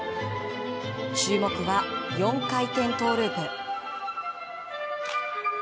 注目は４回転トウループ。